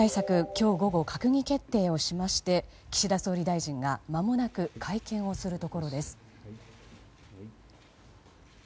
今日午後、閣議決定をしまして岸田総理大臣がまもなく会見をするところです。